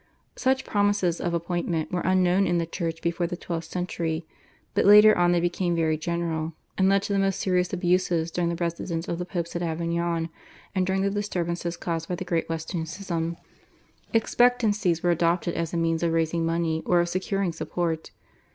Such promises of appointment were unknown in the Church before the twelfth century, but later on they became very general, and led to most serious abuses during the residence of the Popes at Avignon and during the disturbances caused by the Great Western Schism. Expectancies were adopted as a means of raising money or of securing support.